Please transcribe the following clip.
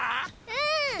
うん！